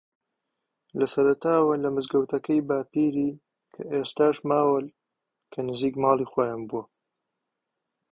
لە سەرەتاوە لە مزگەوتەکەی باپیری کە ئێستاش ماوە کە نزیک ماڵی خۆیان بووە